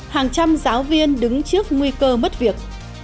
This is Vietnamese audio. hàng trăm giáo viên đứng trước nguy cơ mất việc